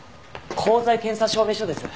鋼材検査証明書です。